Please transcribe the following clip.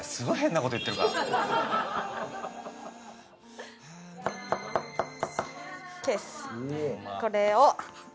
これを。